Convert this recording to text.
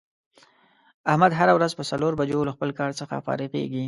احمد هره روځ په څلور بجو له خپل کار څخه فارغ کېږي.